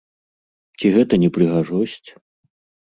Ці гэта не прыгажосць?